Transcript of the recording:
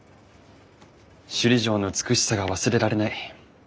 首里城の美しさが忘れられない。